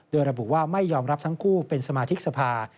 โดยระบุว่าไม่ยอมรับทั้งคู่เป็นสมาชิกสภา